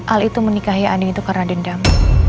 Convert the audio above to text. al itu menikahi anin itu karena dendam